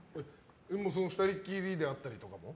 ２人きりで会ったりとかも？